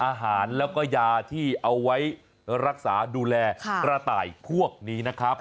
อาหารแล้วก็ยาที่เอาไว้รักษาดูแลกระต่ายพวกนี้นะครับ